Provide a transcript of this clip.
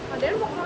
adian mau kemana